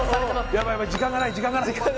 ヤバいヤバい時間がない時間がない